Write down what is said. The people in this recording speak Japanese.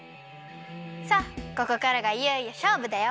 さあここからがいよいよしょうぶだよ。